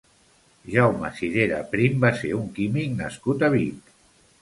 Jaume Cirera Prim va ser un químic nascut a Vic.